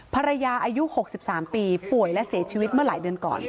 อายุ๖๓ปีป่วยและเสียชีวิตเมื่อหลายเดือนก่อน